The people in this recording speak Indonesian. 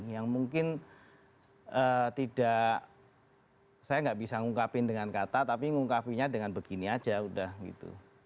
yang mungkin tidak saya nggak bisa ngungkapin dengan kata tapi ngungkapinya dengan begini aja udah gitu